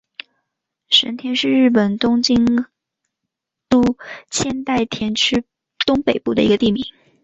神田是日本东京都千代田区东北部的一个地名。